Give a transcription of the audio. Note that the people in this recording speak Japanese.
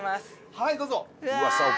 はいどうぞ。